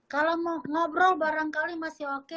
kalau mau ngobrol barangkali masih oke